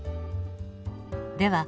では